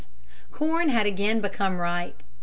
Corn had again become ripe.